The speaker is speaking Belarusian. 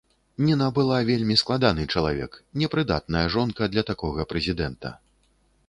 Ніна была вельмі складаны чалавек, непрыдатная жонка для такога прэзідэнта.